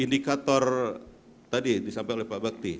indikator tadi disampaikan oleh pak bakti